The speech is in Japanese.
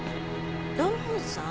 土門さん？